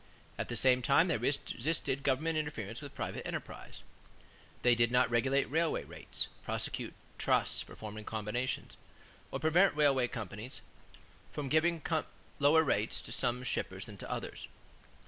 At the same time they resisted government interference with private enterprise. They did not regulate railway rates, prosecute trusts for forming combinations, or prevent railway companies from giving lower rates to some shippers than to others.